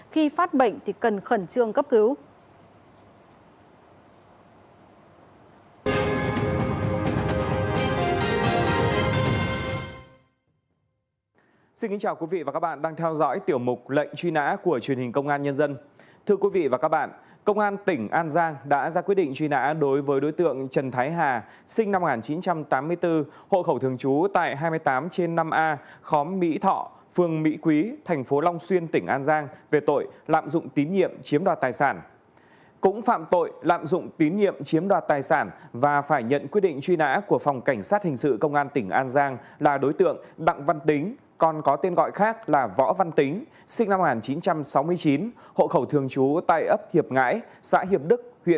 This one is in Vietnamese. khi phát bệnh thì cần khẩn trương cấp cứu